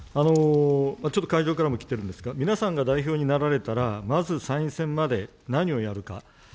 ちょっと会場からもきてるんですが、皆さんが代表になられたら、まず参院選まで何をやるか。